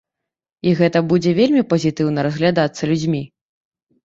І гэты будзе вельмі пазітыўна разглядацца людзьмі.